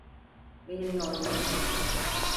Benimle oynama.